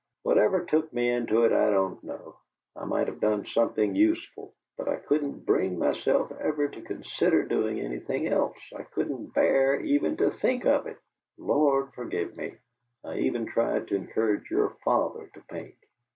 "Whatever took me into it, I don't know. I might have done something useful. But I couldn't bring myself ever to consider doing anything else I couldn't bear even to think of it! Lord forgive me, I even tried to encourage your father to paint.